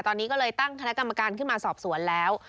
ตอนนี้ก็เลยตั้งคณะกรรมการขึ้นมาสอบสวนแล้ว